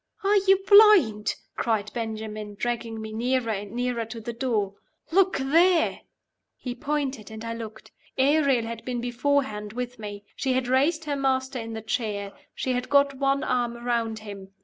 "Are you blind?" cried Benjamin, dragging me nearer and nearer to the door. "Look there!" He pointed; and I looked. Ariel had been beforehand with me. She had raised her master in the chair; she had got one arm around him.